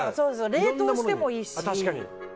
冷凍してもいいし。